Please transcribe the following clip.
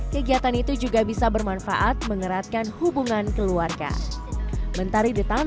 kegiatan itu juga bisa bermanfaat mengeratkan hubungan keluarga